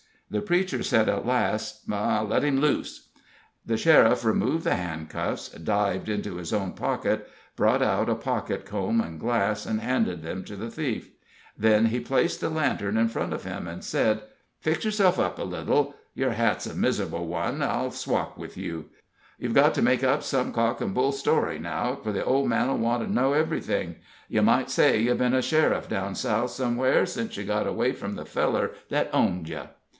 The preacher said, at last: "Let him loose." The sheriff removed the handcuffs, dived into his own pocket, brought out a pocket comb and glass, and handed them to the thief; then he placed the lantern in front of him, and said: "Fix yourself up a little. Your hat's a miz'able one I'll swap with you. You've got to make up some cock and bull story now, for the old man'll want to know everything. You might say you'd been a sheriff down South somewhere since you got away from the feller that owned you."